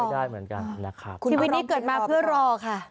ชีวิตนี้เกิดมาเพื่อรอค่ะ